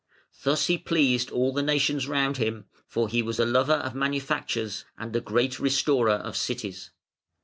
Thus he pleased all the nations round him, for he was a lover of manufactures and a great restorer of cities.